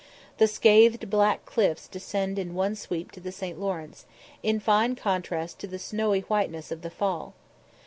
The scathed black cliffs descend in one sweep to the St. Lawrence, in fine contrast to the snowy whiteness of the fall.